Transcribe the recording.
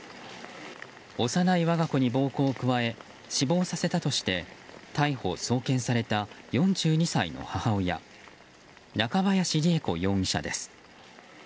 幼い我が子に暴行を加え死亡させたとして逮捕・送検された４２歳の母親中林りゑ子容疑者です。